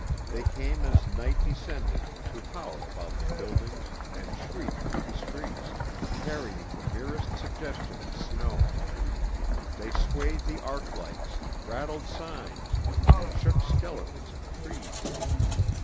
They came as night descended, to howl about buildings and shriek through the streets, carrying the merest suggestion of snow. They swayed the arc lights, rattled signs, and shook skeletons of trees.